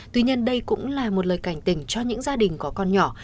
tuy nhiên đây cũng là một lời cảnh tỉnh cho những gia đình có con nhỏ